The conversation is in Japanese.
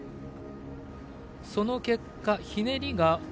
その結果、ひねりが。